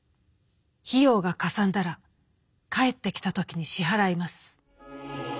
費用がかさんだら帰ってきた時に支払います』」。